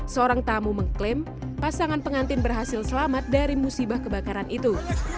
seorang tamu mengklaim pasangan pengantin berhasil selamat dari musibah kebakaran itu